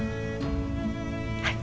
はい。